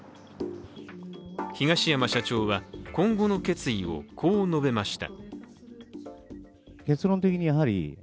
東山社長は今後の決意をこう述べました。